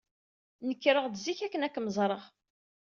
Nekreɣ-d zik akken ad kem-ẓreɣ.